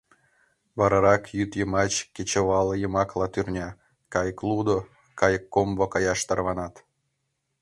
Варарак йӱдйымач кечывалйымакыла турня, кайыклудо, кайыккомбо каяш тарванат.